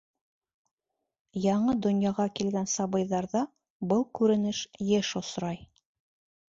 Яңы донъяға килгән сабыйҙарҙа был күренеш йыш осрай.